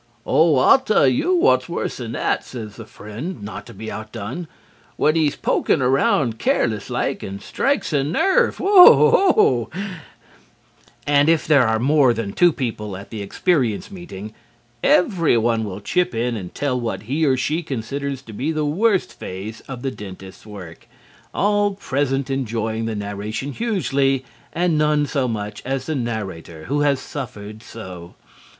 "Oh, I'll tell you what's worse than that," says the friend, not to be outdone, "when he is poking around careless like, and strikes a nerve. Wow!" And if there are more than two people at the experience meeting, everyone will chip in and tell what he or she considers to be the worst phase of the dentist's work, all present enjoying the narration hugely and none so much as the narrator who has suffered so.